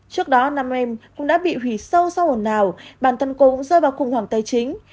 trước đó nam em cũng đã bị hủy sâu sau hồn nào bản thân cô cũng rơi vào khủng hoảng tài chính